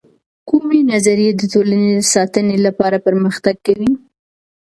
کومې نظریې د ټولنې د ساتنې لپاره پر مختګ کوي؟